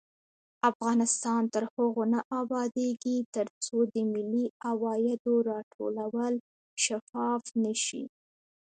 افغانستان تر هغو نه ابادیږي، ترڅو د ملي عوایدو راټولول شفاف نشي.